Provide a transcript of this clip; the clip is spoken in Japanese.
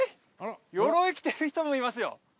鎧着てる人もいますよ